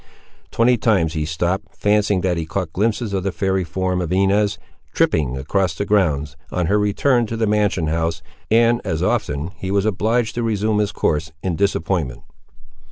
Twenty times he stopped, fancying that he caught glimpses of the fairy form of Inez, tripping across the grounds, on her return to the mansion house, and as often he was obliged to resume his course, in disappointment.